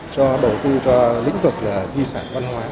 cho đầu tư cho lĩnh vực di sản văn hóa